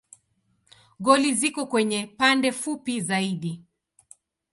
Goli ziko kwenye pande fupi zaidi.